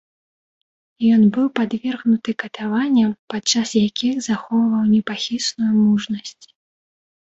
Ён быў падвергнуты катаванням, падчас якіх захоўваў непахісную мужнасць.